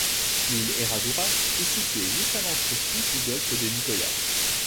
L'île Herradura est située juste à l'entrée sud du golfe de Nicoya.